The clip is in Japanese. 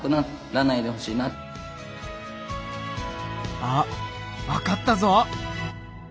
あっわかったぞ！